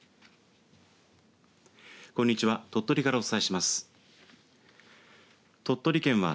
こんにちは。